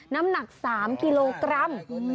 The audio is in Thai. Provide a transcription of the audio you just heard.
น้ำหนัก๓กิโลกรัม